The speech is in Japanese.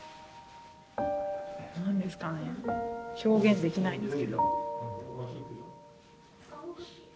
何ですかね表現できないんですけど。